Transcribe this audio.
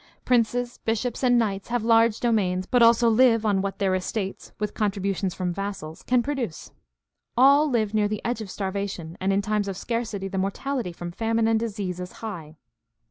Princes, bishops, and knights have large domains, but also live on what their estates, with contributions from vassals, can produce. All live near the edge of starvation, and in times of scarcity the mortality from famine and disease is high.